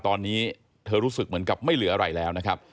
ตอนนี้เธอรู้สึกเหมือนกับไม่เหลืออะไรแล้วนะครับ